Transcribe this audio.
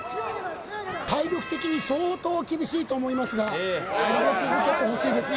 体力的に相当厳しいと思いますが攻め続けてほしいですね